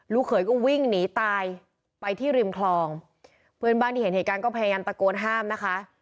เขยก็วิ่งหนีตายไปที่ริมคลองเพื่อนบ้านที่เห็นเหตุการณ์ก็พยายามตะโกนห้ามนะคะ